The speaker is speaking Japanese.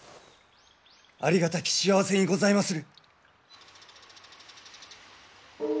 ありがたき幸せにございまする。